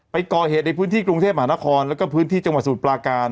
ไปก่อเหตุในพื้นที่กรุงเทพมหานครแล้วก็พื้นที่จังหวัดสมุทรปลาการ